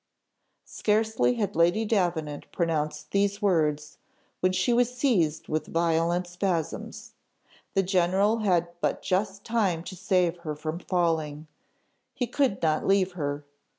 Scarcely had Lady Davenant pronounced these words, when she was seized with violent spasms. The general had but just time to save her from falling; he could not leave her.